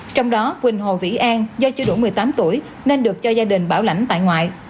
trong đó quỳnh hồ vĩ an do chưa đủ một mươi tám tuổi nên được cho gia đình bảo lãnh tại ngoại